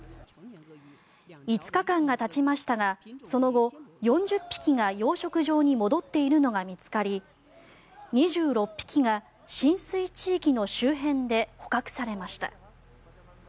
５日間がたちましたがその後、４０匹が養殖場に戻っているのが見つかり２６匹が浸水地域の周辺で捕獲されました。